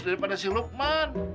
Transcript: daripada si lukman